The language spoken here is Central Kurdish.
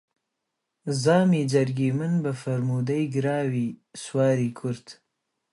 زامی جەرگی من بە فەرموودەی گراوی سواری کورد